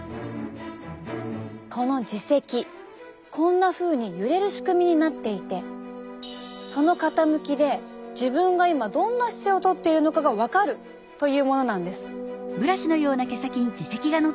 この耳石こんなふうに揺れる仕組みになっていてその傾きで自分が今どんな姿勢をとっているのかが分かるというものなんです。